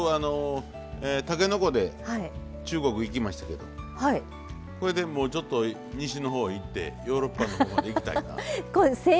たけのこで中国へ行きましたけどこれでもうちょっと西の方へ行ってヨーロッパの方まで行きたいなと。